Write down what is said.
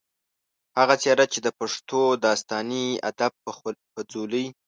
هغه څېره چې د پښتو داستاني ادب پۀ ځولۍ